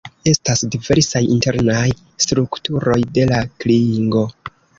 Estas diversaj internaj strukturoj de la klingo.